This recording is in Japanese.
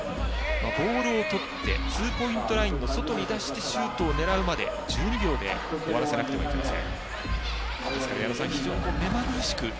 ボールを取ってツーポイントラインの外に出してシュートを狙うまで１２秒で終わらせないといけません。